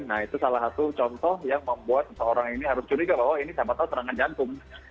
nah itu salah satu contoh yang membuat seseorang ini harus curiga bahwa ini siapa tahu serangan jantung